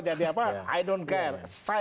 jadi apa i don't care